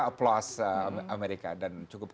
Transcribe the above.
applause amerika dan cukup